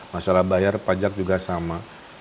masalah bayar pajak juga sama